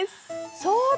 そうだ！